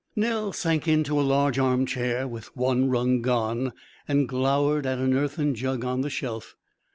Nell sank into a large armchair (with one rung gone) and glowered at an earthen jug on the shelf.